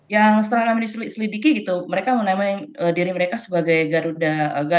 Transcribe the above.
yang setelah kami diselidiki gitu mereka menamai diri mereka sebagai garuda